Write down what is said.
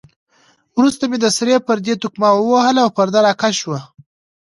وروسته مې د سرې پردې تقمه ووهل او پرده را کش شوه.